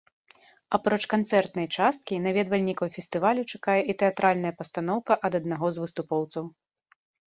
Апроч канцэртнай часткі, наведвальнікаў фестывалю чакае і тэатральная пастаноўка ад аднаго з выступоўцаў.